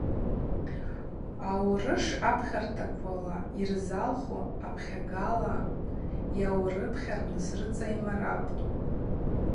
Аурышв апхьартаква йырзалху апхьагала йаурыпхьарныс рыцӏа ймайрапӏ.